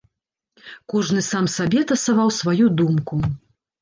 Кожны сам сабе тасаваў сваю думку.